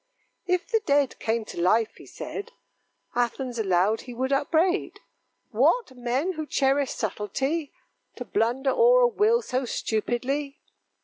"If the dead came to life," he said, "Athens aloud he would upbraid. What! men who cherish subtlety, To blunder o'er a will so stupidly!"